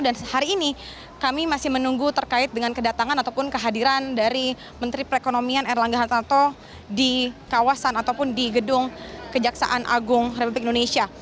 hari ini kami masih menunggu terkait dengan kedatangan ataupun kehadiran dari menteri perekonomian erlangga hartarto di kawasan ataupun di gedung kejaksaan agung republik indonesia